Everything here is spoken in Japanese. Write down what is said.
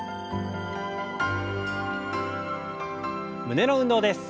胸の運動です。